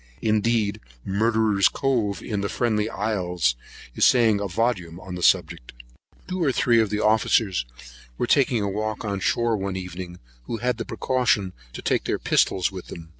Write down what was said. Indeed Murderer's Cove, in the Friendly Isles, is saying a volume on the subject. Two or three of the officers were taking a walk on shore one evening, who had the precaution to take their pistols with them.